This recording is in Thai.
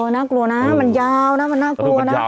น่ากลัวนะมันยาวนะมันน่ากลัวนะ